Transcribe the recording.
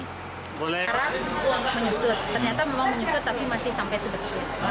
sekarang menyusut ternyata memang menyusut tapi masih sampai sebetis